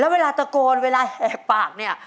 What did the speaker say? เวลาตะโกนเวลาแหกปากเนี่ย